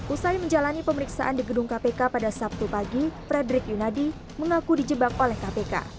usai menjalani pemeriksaan di gedung kpk pada sabtu pagi frederick yunadi mengaku dijebak oleh kpk